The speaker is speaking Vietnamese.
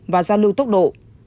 và giao lưu tốc độ